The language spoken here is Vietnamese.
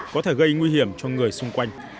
có thể gây nguy hiểm cho người xung quanh